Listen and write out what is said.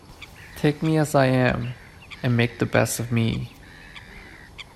Take me as I am, and make the best of me.